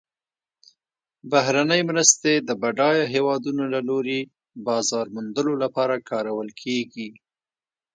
بهرنۍ مرستې د بډایه هیوادونو له لوري بازار موندلو لپاره کارول کیږي.